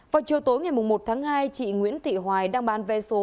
vào chiều tối ngày một tháng hai chị nguyễn thị hoài đang bán vé số